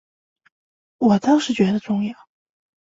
我倒是觉得重要